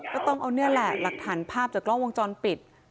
ก็ต้องเอานี่แหละหลักฐานภาพจากกล้องวงจรปิด